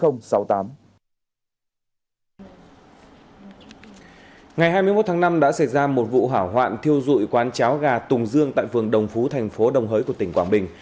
ngày hai mươi một tháng năm đã xảy ra một vụ hỏa hoạn thiêu dụi quán cháo gà tùng dương tại phường đồng phú thành phố đồng hới của tỉnh quảng bình